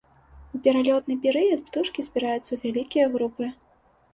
У пералётны перыяд птушкі збіраюцца ў вялікія групы.